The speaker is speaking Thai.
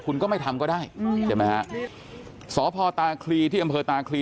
คุณก็ไม่ทำก็ได้ใช่ไหมฮะสพตาคลีที่อำเภอตาคลี